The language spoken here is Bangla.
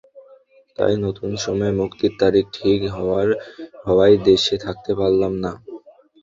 তাই নতুন সময়ে মুক্তির তারিখ ঠিক হওয়ায় দেশে থাকতে পারলাম না।